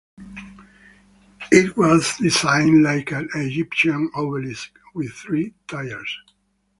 It was designed like an Egyptian obelisk with three tiers.